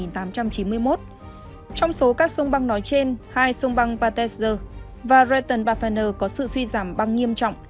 trong số các sông băng nói trên hai sông băng pateser và reton baffiner có sự suy giảm băng nghiêm trọng